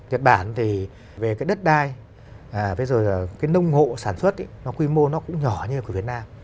nhật bản thì về cái đất đai với rồi cái nông ngộ sản xuất nó quy mô nó cũng nhỏ như của việt nam